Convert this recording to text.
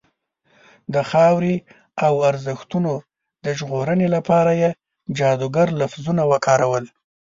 د خاورې او ارزښتونو د ژغورنې لپاره یې جادوګر لفظونه وکارول.